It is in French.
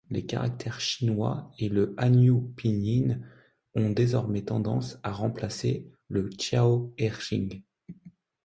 Les caractères chinois et le hanyu pinyin ont désormais tendance à remplacer le xiao'erjing.